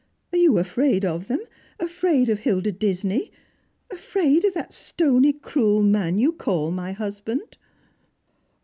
Are you afraid of them, afraid of Hilda Disney, afraid of that stony cruel man you call my husband?"